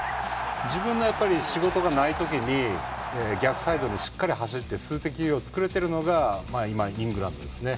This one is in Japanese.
自分の仕事がない時に逆サイドにしっかり走って数的優位を作れてるのが今、イングランドですね。